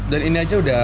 dan ini aja udah